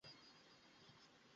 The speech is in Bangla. ওর ওজন কমেছে।